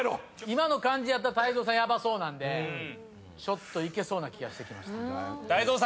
今の感じやと泰造さんヤバそうなんでちょっといけそうな気がしてきました。